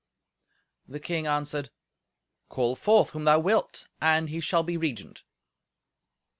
The king answered, "Call forth whom thou wilt, and he shall be regent."